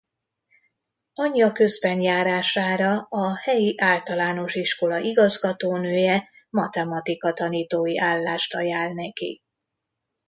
Anyja közbenjárására a helyi általános iskola igazgatónője matematika tanítói állást ajánl neki.